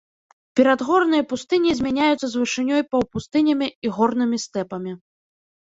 Перадгорныя пустыні змяняюцца з вышынёй паўпустынямі і горнымі стэпамі.